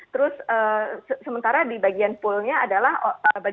terus sementara di bagian pullnya adalah bagaimana